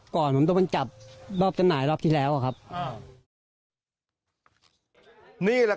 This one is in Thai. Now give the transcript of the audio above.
ก่อนผมต้องเป็นจับรอบจำหน่ายรอบที่แล้วครับ